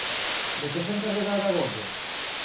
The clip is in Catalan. De què s'encarrega ara Gove?